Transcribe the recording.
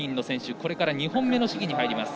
これから２本目の試技に入ります。